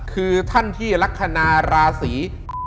คือท่านที่ลักษณะราศี